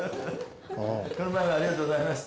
この前はありがとうございました。